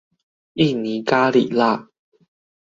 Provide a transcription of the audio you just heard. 印尼咖哩辣